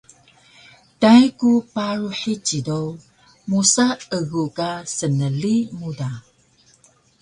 Tai ku paru hici do musa egu ka snli mu da